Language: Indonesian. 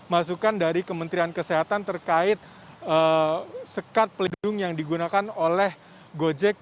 masukan dari kementerian kesehatan terkait sekat pelindung yang digunakan oleh gojek